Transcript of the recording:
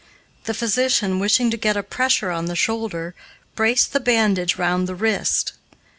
The physician, wishing to get a pressure on the shoulder, braced the bandage round the wrist.